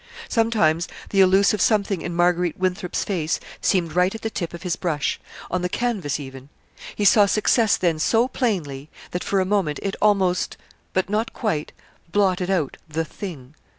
Sometimes the elusive something in Marguerite Winthrop's face seemed right at the tip of his brush on the canvas, even. He saw success then so plainly that for a moment it almost but not quite blotted out The Thing.